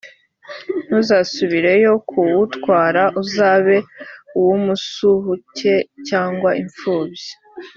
ntuzasubireyo kuwutwara; uzabe uw’umusuhuke, cyangwa impfubyi,